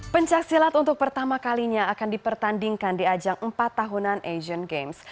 pencaksilat untuk pertama kalinya akan dipertandingkan di ajang empat tahunan asian games